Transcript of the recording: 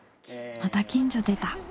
また近所でた！